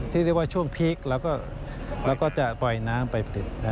ที่เรียกว่าช่วงพีคแล้วก็จะปล่อยน้ำไปติด